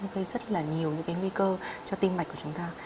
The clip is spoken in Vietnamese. với rất là nhiều những nguy cơ cho tinh mạch của chúng ta